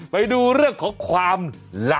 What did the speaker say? ไปดูเรื่องของความลับ